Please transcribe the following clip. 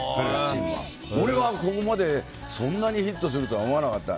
俺はここまでヒットするとは思わなかった。